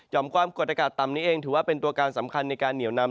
ความกดอากาศต่ำนี้เองถือว่าเป็นตัวการสำคัญในการเหนียวนำ